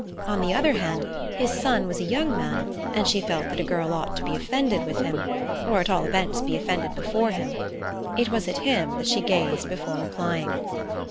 On the other hand, his son was a young man, and she felt that a girl ought to be offended with him, or at all events be offended before him. It was at him that she gazed before replying.